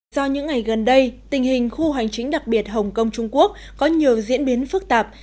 do những ngày gần đây tình hình khu hành chính đặc biệt hồng kông trung quốc có nhiều diễn biến phức tạp